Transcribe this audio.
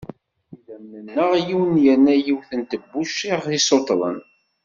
Idamen-nneɣ yiwen yerna yiwet n tebbuct i ɣ-yesuttḍen.